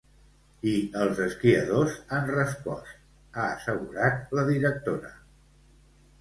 I els esquiadors han respost, ha assegurat la directora.